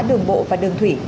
đường bộ và đường thủy